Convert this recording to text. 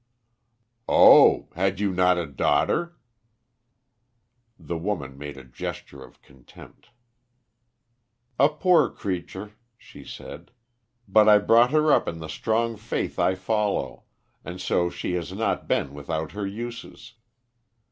"Oh! Had you not a daughter?" The woman made a gesture of contempt. "A poor creature," she said. "But I brought her up in the strong faith I follow, and so she has not been without her uses.